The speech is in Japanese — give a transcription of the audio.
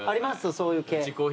そういう系。